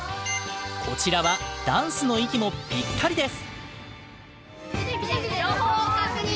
こちらはダンスの息もピッタリです！